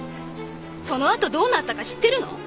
その後どうなったか知ってるの？